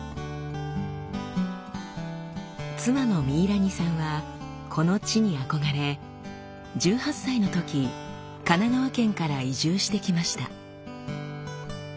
妻のミイラニさんはこの地に憧れ１８歳のとき神奈川県から移住してきました。